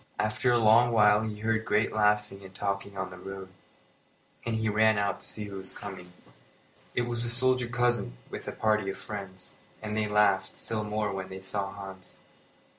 After a long while he heard great laughing and talking on the road, and he ran out to see who was coming. It was the soldier cousin with a party of friends, and they laughed still more when they saw Hans.